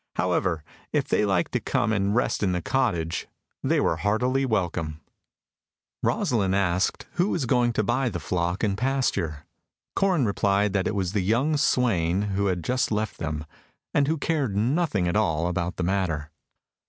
However, if they liked to come and rest in the cottage, they were heartily welcome. Rosalind asked who was going to buy the flock and pasture. Corin replied that it was the young swain who had just left him, and who cared nothing at all about the matter.